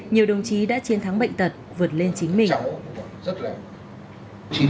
nhiều đồng chí đã chiến thắng bệnh tật vượt lên chính mình